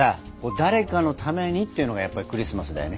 誰かのためにっていうのがやっぱりクリスマスだよね。